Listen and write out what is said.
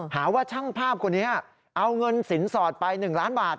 หาว่าช่างภาพคนนี้เอาเงินสินสอดไป๑ล้านบาท